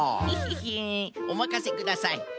ヘヘヘおまかせください。